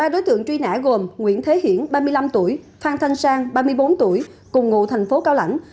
ba đối tượng truy nã gồm nguyễn thế hiển ba mươi năm tuổi phan thanh sang ba mươi bốn tuổi cùng ngụ thành phố cao lãnh